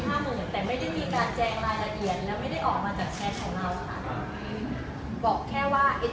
แต่ไม่ได้มีการแจงรายละเอียดแล้วไม่ได้ออกมาจากแชทของเราค่ะบอกแค่ว่าไอ้